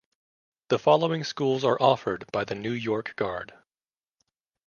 The following schools are offered by the New York Guard.